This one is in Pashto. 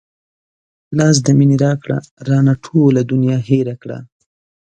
لاس د مينې راکړه رانه ټوله دنيا هېره کړه